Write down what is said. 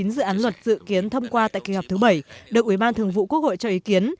chín dự án luật dự kiến thông qua tại kỳ họp thứ bảy được ủy ban thường vụ quốc hội cho ý kiến